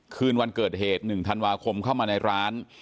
คืนวันเกิดเหตุ๑ธันวาคมเข้ามาในร้าน